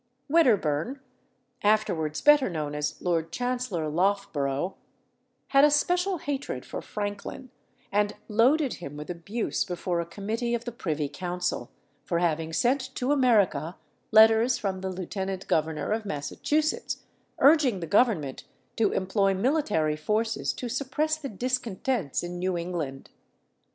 Wedderburn, afterwards better known as Lord Chancellor Loughborough, had a special hatred for Franklin, and loaded him with abuse before a committee of the Privy Council, for having sent to America letters from the Lieutenant Governor of Massachusetts, urging the Government to employ military force to suppress the discontents in New England.